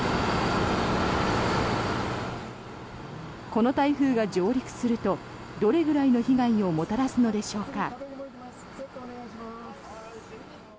この台風が上陸するとどれぐらいの被害をもたらすのでしょうか。